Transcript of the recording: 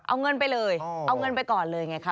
เอาเงินไปเลยเอาเงินไปก่อนเลยไงคะ